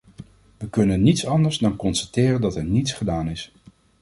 We kunnen niet anders dan constateren dat er niets gedaan is.